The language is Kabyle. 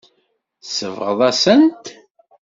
Tsebɣeḍ-asent-t.